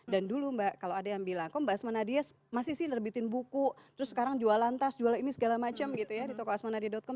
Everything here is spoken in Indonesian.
dan dulu mbak kalau ada yang bilang kok mbak asma nadia masih sih nerbitin buku terus sekarang jualan tas jualan ini segala macam gitu ya di toko asmanadia com